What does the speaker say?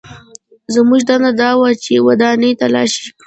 زموږ دنده دا وه چې ودانۍ تلاشي کړو